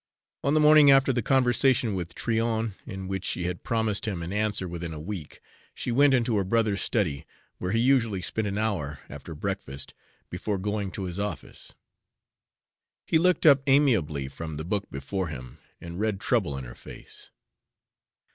On the morning after the conversation with Tryon in which she had promised him an answer within a week, she went into her brother's study, where he usually spent an hour after breakfast before going to his office. He looked up amiably from the book before him and read trouble in her face.